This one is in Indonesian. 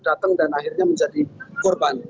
datang dan akhirnya menjadi korban